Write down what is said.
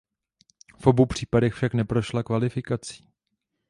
V obou případech však neprošla kvalifikací.